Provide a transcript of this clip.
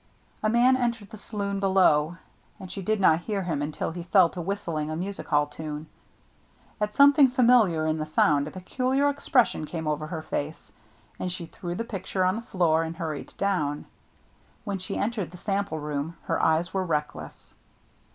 A man entered the saloon below, and she did not hear him until he fell to whistling a music hall tune. At something familiar in the sound a peculiar expression came over her face, and she threw the picture on the floor and hurried down. When she entered the sample room, her eyes were reckless.